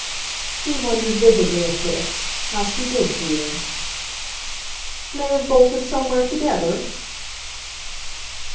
He wondered, visibly, at this, how she did see them. "May have bolted somewhere together?"